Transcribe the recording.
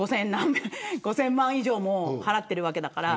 ５０００万円以上も払ってるわけだから。